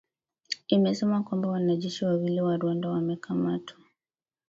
imesema kwamba wanajeshi wawili wa Rwanda wamekamatwa